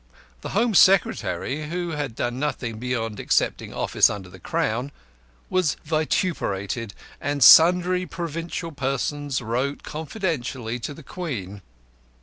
The Home Secretary (who had done nothing beyond accepting office under the Crown) was vituperated, and sundry provincial persons wrote confidentially to the Queen.